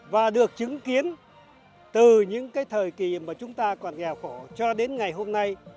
và được chứng kiến từ những cái thời kỳ mà chúng ta còn nghèo khổ cho đến ngày hôm nay